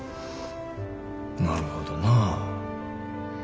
なるほどな。